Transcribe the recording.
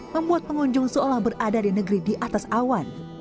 membuat pengunjung seolah berada di negeri di atas awan